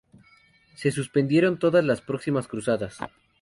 Se suspendieron todas las próximas cruzadas.